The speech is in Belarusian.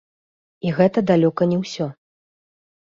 І гэта далёка не ўсё.